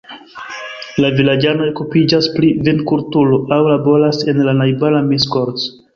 La vilaĝanoj okupiĝas pri vinkulturo aŭ laboras en la najbara Miskolc.